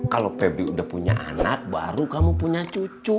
kalau pb udah punya anak baru kamu punya cucu